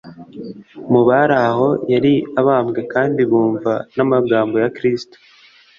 mu bari aho yari abambwe kandi bumva n'amagambo ya Kristo.